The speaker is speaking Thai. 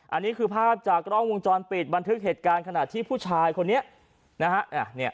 อันนี้คือภาพจากกล้องวงจรปิดบันทึกเหตุการณ์ขณะที่ผู้ชายคนนี้นะฮะ